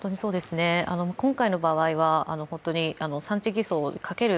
今回の場合は、本当に産地偽装かける